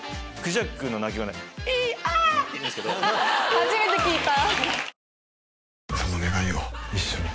初めて聞いた！